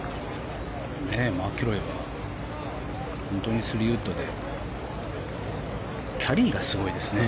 マキロイが本当に３ウッドでキャリーがすごいですよね